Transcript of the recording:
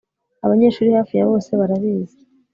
Abanyeshuri hafi ya bose barabizi